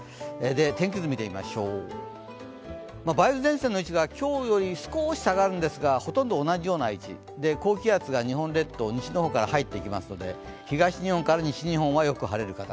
天気図見てみましょう、梅雨前線の位置が今日より少し下がるんですがほとんど同じような位置高気圧が日本列島西の方から入っていきますので東日本から西日本はよく晴れる形。